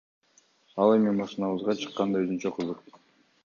Ал эми машинабызга чыккан да өзүнчө кызык.